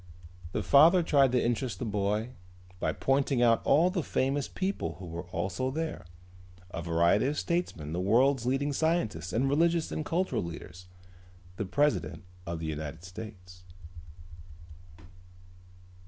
The father tried to interest the boy by pointing out all the famous people who were also there: a variety of statesmen the world's leading scientists and religious and cultural leaders, the president of the United States.